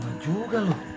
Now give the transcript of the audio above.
nggak juga lu